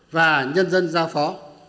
và nhân dân giao phó